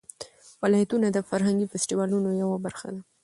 ولایتونه د فرهنګي فستیوالونو یوه برخه ده.